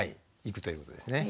いくということですね。